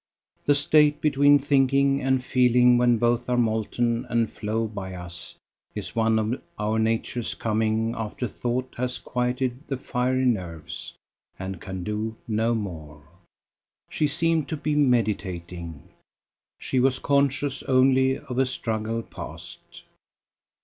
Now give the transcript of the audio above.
The state between thinking and feeling, when both are molten and flow by us, is one of our natures coming after thought has quieted the fiery nerves, and can do no more. She seemed to be meditating. She was conscious only of a struggle past.